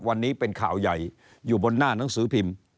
วันนี้เป็นข่าวใหญ่อยู่บนหน้าหนังสือพิมพ์